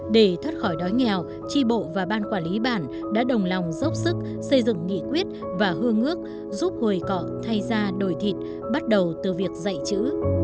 để thoát khỏi đói nghèo tri bộ và ban quản lý bản đã đồng lòng dốc sức xây dựng nghị quyết và hương ước giúp hồi cọ thay ra đổi thịt bắt đầu từ việc dạy chữ